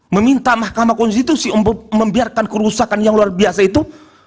meminta mahkamah konstitusi untuk membiarkan kerusakan yang luar biasa itu